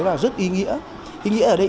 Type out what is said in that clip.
là rất ý nghĩa ý nghĩa ở đây